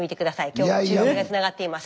今日は中継がつながっています。